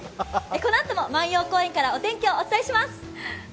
このあとも万葉公園からお天気をお伝えします。